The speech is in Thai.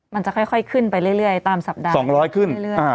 มันจะค่อยค่อยขึ้นไปเรื่อยเรื่อยตามสัปดาห์สองร้อยขึ้นอ่า